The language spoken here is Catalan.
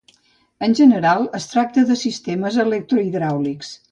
En general es tracta de sistemes electrohidràulics.